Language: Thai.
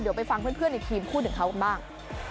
เดี๋ยวไปฟังเพื่อนในทีมพูดถึงเขากันบ้าง